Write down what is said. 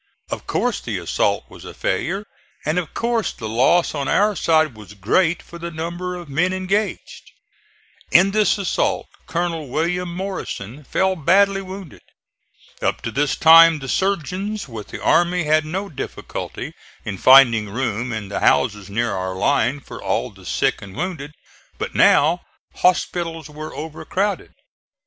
Of course the assault was a failure, and of course the loss on our side was great for the number of men engaged. In this assault Colonel William Morrison fell badly wounded. Up to this time the surgeons with the army had no difficulty in finding room in the houses near our line for all the sick and wounded; but now hospitals were overcrowded.